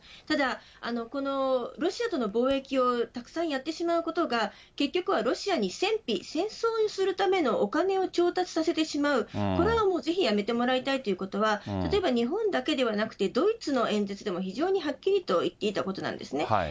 ただ、このロシアとの貿易をたくさんやってしまうことが、結局はロシアに戦費、戦争にするためのお金を調達させてしまう、これはもうぜひやめてもらいたいというのは、例えば日本だけではなくて、ドイツの演説でも非常にはっきりと言っていたことなんですね。